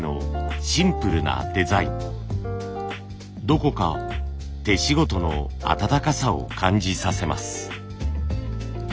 どこか手仕事の温かさを感じさせます。